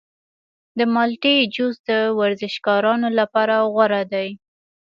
د مالټې جوس د ورزشکارانو لپاره غوره دی.